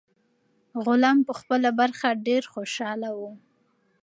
غلام په خپله برخه ډیر خوشاله و.